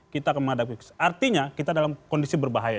kita akan menghadapi artinya kita dalam kondisi berbahaya